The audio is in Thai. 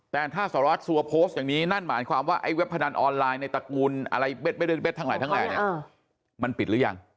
แต่ถ้าสารวัสสัวโพสต์อย่างนี้นั่นหมายความว่าไอ้เว็บพนันออนไลน์ในตระกูลอะไรเด็ดทั้งหลายทั้งแหล่เนี่ยมันปิดหรือยัง